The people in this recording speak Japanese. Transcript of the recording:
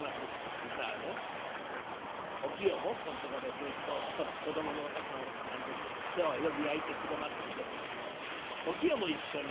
実はあのお清もここんところずっと子どもの何です世話をよく焼いてくれますんであのお清も一緒に」。